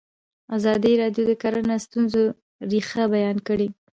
ازادي راډیو د کرهنه د ستونزو رېښه بیان کړې.